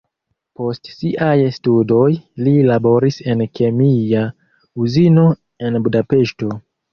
Post siaj studoj li laboris en kemia uzino en Budapeŝto.